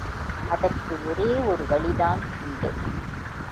அதற்கு ஒரே ஒரு வழிதான் உண்டு.